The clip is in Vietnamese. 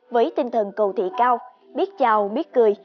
với tinh thần cầu thị cao biết chào biết cười